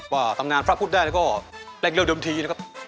ว่าตำนานพระพุทธได้ก็แรกเรียวเดิมทีนะครับ